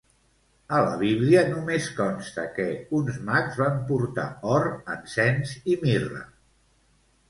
A la Bíblia només consta que uns mags van portar or, encens i mirra.